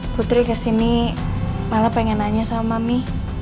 putri kesini malah pengen nanya sama mi